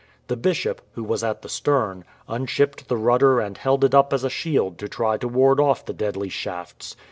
The Bishop, who was at the stern, unshipped the rudder and held it up as a shield to try to ward off the deadly shafts.